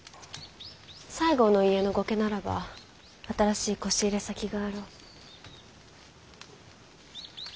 西郷の家の後家ならば新しいこし入れ先があろう。